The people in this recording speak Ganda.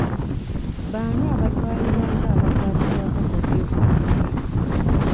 B'ani abatwalibwa nga abakwatibwako ku disitulikiti?